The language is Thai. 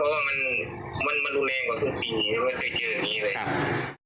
พวกมันกลับมาเมื่อเวลาที่สุดพวกมันกลับมาเมื่อเวลาที่สุด